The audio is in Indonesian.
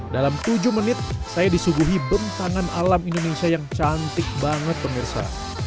dalam tujuh menit saya disuguhi bentangan alam indonesia yang cantik banget pemirsa